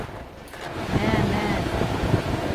Мә, мә!